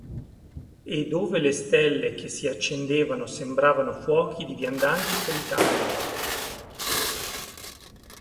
E dove le stelle che si accendevano sembravano fuochi di viandanti solitari.